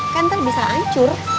kan ntar bisa ancur